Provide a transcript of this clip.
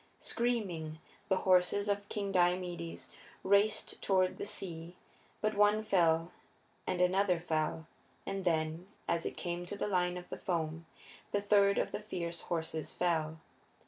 Screaming, the horses of King Diomedes raced toward the sea, but one fell and another fell, and then, as it came to the line of the foam, the third of the fierce horses fell.